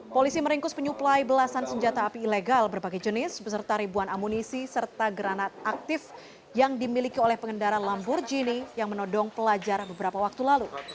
polisi meringkus penyuplai belasan senjata api ilegal berbagai jenis beserta ribuan amunisi serta granat aktif yang dimiliki oleh pengendara lamborghini yang menodong pelajar beberapa waktu lalu